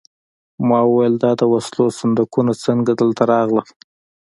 ما وویل دا د وسلو صندوقونه څنګه دلته راغلل